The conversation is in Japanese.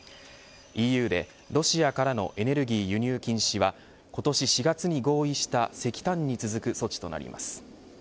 ＥＵで、ロシアからのエネルギー輸入禁止は今年４月に合意した石炭に続く措置となります。